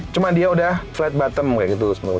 cuma dia udah flight bottom kayak gitu